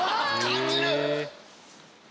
感じる！